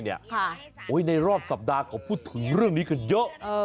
เค้าโอ๊ยในรอบสัปดาห์ผมพูดถึงเรื่องนี้กันเยอะ